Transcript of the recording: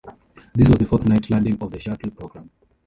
This was the fourth night landing of the shuttle program.